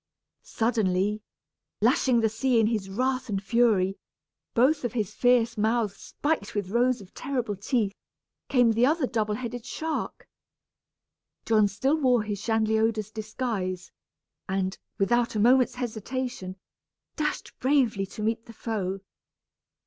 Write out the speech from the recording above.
Suddenly, lashing the sea in his wrath and fury, both of his fierce mouths spiked with rows of terrible teeth, came the other double headed shark! John still wore his Chanliodus disguise, and, without a moment's hesitation, dashed bravely to meet the foe.